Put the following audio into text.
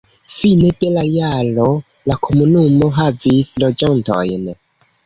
Fine de la jaro la komunumo havis loĝantojn.